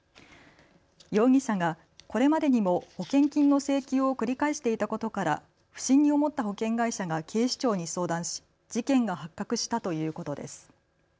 容疑者がこれまでにも保険金の請求を繰り返していたことから不審に思った保険会社が警視庁に相談し事件が発覚したということです。